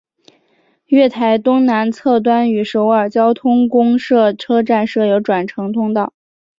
月台东南侧端与首尔交通公社车站设有转乘通道。